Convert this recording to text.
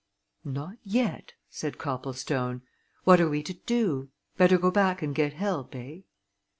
"Not yet," said Copplestone. "What are we to do. Better go back and get help, eh?"